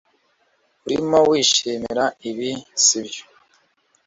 urimo wishimira ibi, si byo